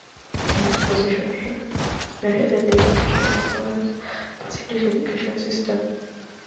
In that position, he spearheaded the educational reforms that revolutionised the Swedish education system.